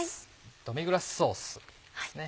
ドミグラスソースですね。